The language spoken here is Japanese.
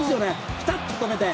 ピタッと止めて。